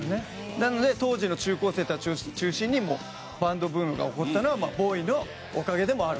なので当時の中高生たちを中心にバンドブームが起こったのはＢＯＷＹのおかげでもある。